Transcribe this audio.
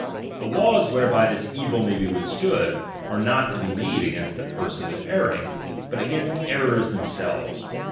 The laws whereby this •ubj™t, evil may be withstood, are not to be made against Mrj,ic!the persons erring, but against the errors them selves.